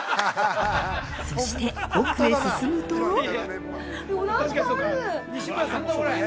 ◆そして、奥へ進むと◆何かある！